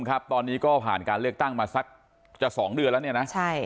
ครับตอนนี้ก็ผ่านการเลือกตั้งมาสักจะสองเดือนแล้วเนี่ยนะใช่